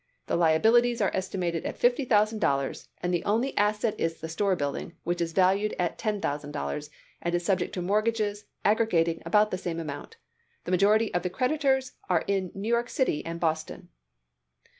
The liabilities are estimated at fifty thousand dollars, and the only asset is the store building, which is valued at ten thousand dollars and is subject to mortgages aggregating about the same amount. The majority of the creditors are in New York City and Boston."